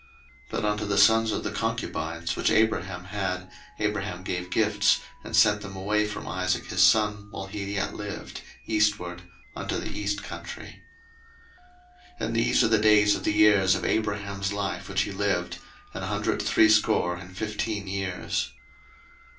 01:025:006 But unto the sons of the concubines, which Abraham had, Abraham gave gifts, and sent them away from Isaac his son, while he yet lived, eastward, unto the east country. 01:025:007 And these are the days of the years of Abraham's life which he lived, an hundred threescore and fifteen years.